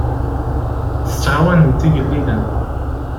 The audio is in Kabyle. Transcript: Tettɛawanemt igellilen.